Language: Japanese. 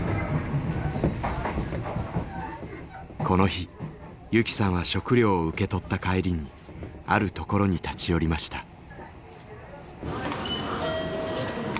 この日ゆきさんは食料を受け取った帰りにあるところに立ち寄りました。